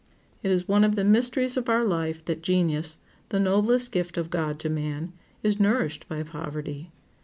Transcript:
It is one of the mysteries of our life that genius, the noblest gift of God to man, is nourished by poverty.